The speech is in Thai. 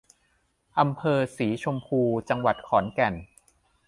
อำเภอสีชมพู จังหวัดขอนแก่น